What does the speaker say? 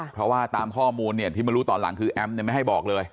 เพราะว่าตามข้อมูลเนี่ยที่มารู้ตอนหลังคือแอมไม่ให้บอกเลย